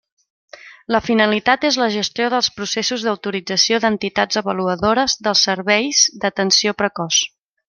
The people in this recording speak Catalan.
La finalitat és la gestió dels processos d'autorització d'entitats avaluadores dels serveis d'atenció precoç.